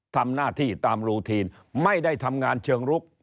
ทำหน้าที่ตามรูทีนไม่ได้ทำงานเชิงลุก